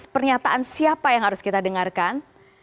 pernyataan siapa yang harus kita dengarkan